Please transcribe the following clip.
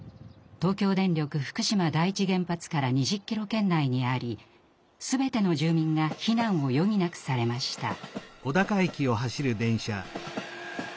東京電力福島第一原発から２０キロ圏内にあり全ての住民が避難を余儀なくされました。